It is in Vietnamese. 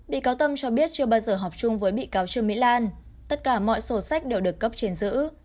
bị cáo tâm cho biết chưa bao giờ họp chung với bị cáo trương mỹ lan tất cả mọi sổ sách đều được cấp trên giữ